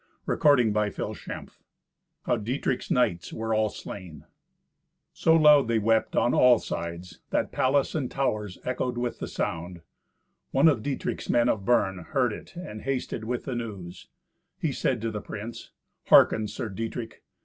Thirty Eighth Adventure How Dietrich's Knights Were All Slain So loud they wept on all sides, that palace and towers echoed with the sound. One of Dietrich's men of Bern heard it, and hasted with the news. He said to the prince, "Hearken, Sir Dietrich.